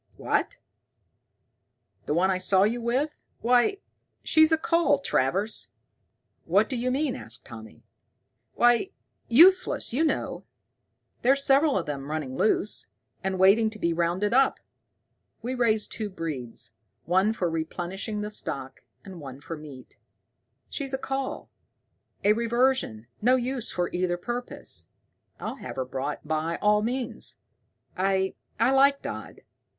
"What, the one I saw you with? Why, she's a cull, Travers." "What d'you mean?" asked Tommy. "Why useless, you know. There's several of them running loose, and waiting to be rounded up. We raise two breeds, one for replenishing the stock, and one for meat. She's just a cull, a reversion, no use for either purpose. I'll have her brought by all means. I I like Dodd.